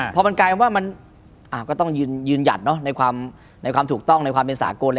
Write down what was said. พอมันกลายเป็นว่ามันก็ต้องยืนหยัดในความถูกต้องในความเป็นสากล